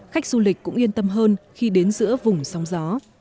khách du lịch cũng yên tâm hơn khi đến giữa vùng sóng gió